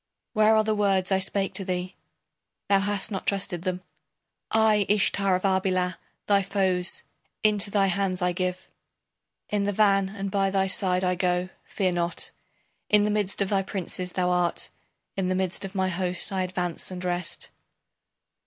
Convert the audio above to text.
Where are the words I spake to thee? Thou hast not trusted them. I, Ishtar of Arbela, thy foes Into thy hands I give In the van and by thy side I go, fear not In the midst of thy princes thou art. In the midst of my host I advance and rest.